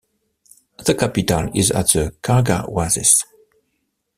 The capital is at the Kharga Oasis.